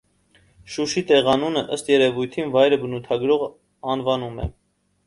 Շուշի տեղանուանումը ըստ երեւոյթին վայրը բնութագրող անուանում է։